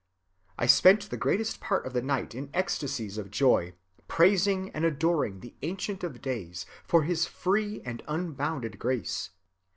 I spent the greatest part of the night in ecstasies of joy, praising and adoring the Ancient of Days for his free and unbounded grace.